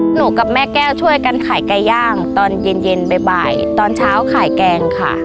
กับแม่แก้วช่วยกันขายไก่ย่างตอนเย็นเย็นบ่ายตอนเช้าขายแกงค่ะ